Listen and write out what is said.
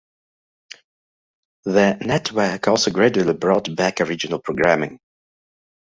The network also gradually brought back original programming.